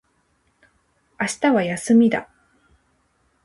明日は休みだ。